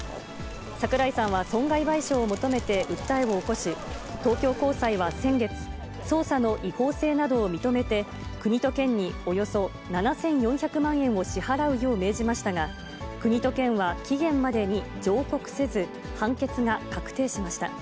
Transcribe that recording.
桜井さんは損害賠償を求めて訴えを起こし、東京高裁は先月、捜査の違法性などを認めて、国と県におよそ７４００万円を支払うよう命じましたが、国と県は期限までに上告せず、判決が確定しました。